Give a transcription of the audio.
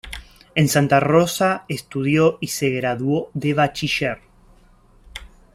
En Santa Rosa estudió y se graduó de bachiller.